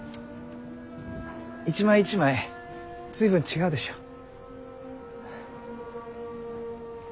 一枚一枚随分違うでしょう？